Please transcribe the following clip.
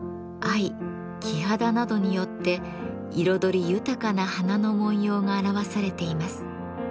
黄蘗などによって彩り豊かな花の紋様が表されています。